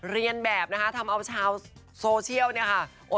เรียนแบบนะคะทำเอาชาวโซเชียลเนี่ยค่ะ